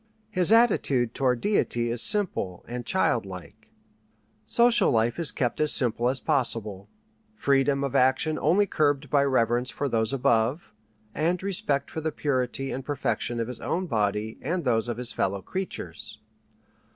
His attitude toward Deity is simple and childlike. Social life is kept as simple as possible, freedom of action only curbed by reverence for Those Above, and respect for the purity and perfection of his own body and those of his fellow creatures.